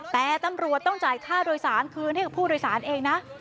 แต่ตำรวจต้องจ่ายค่าโดยสารคืนให้กับผู้โดยสารเองนะ